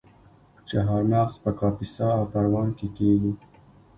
چهارمغز په کاپیسا او پروان کې کیږي.